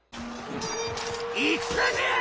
戦じゃ！